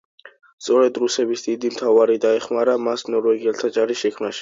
სწორედ რუსების დიდი მთავარი დაეხმარა მას ნორვეგიელთა ჯარის შექმნაში.